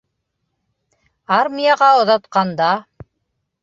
Армияға оҙатҡанда